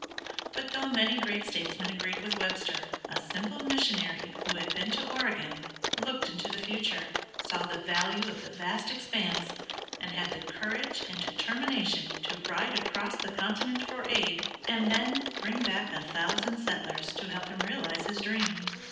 But though many great statesmen agreed with Webster a simple missionary who had been to Oregon looked into the future, saw the value of the vast expanse, and had the courage and determination to ride across the continent for aid, and then bring back a thousand settlers to help him realize his dream.